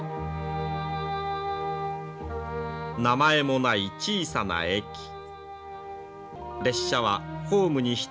名前もない小さな駅全長